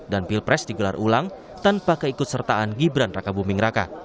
di sini tim hukum anies mohaimin mencari penyimpangan yang lebih berharga